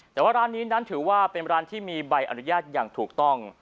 แต่ว่าร้านนี้นั้นถือว่าเป็นร้านที่มีใบอนุญาตอย่างถูกต้อง